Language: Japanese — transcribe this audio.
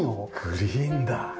グリーンだ。